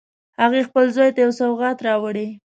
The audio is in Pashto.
هغې خپل زوی ته یو سوغات راوړی